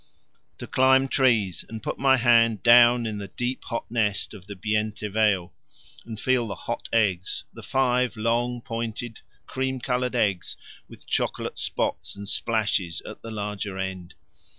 To climb trees and put my hand down in the deep hot nest of the Biente veo and feel the hot eggs the five long pointed cream coloured eggs with chocolate spots and splashes at the larger end.